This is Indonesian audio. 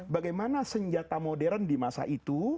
bagaimana senjata modern di masa itu